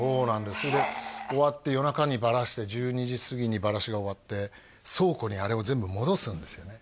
それで終わって夜中にバラして１２時すぎにバラシが終わって倉庫にあれを全部戻すんですよね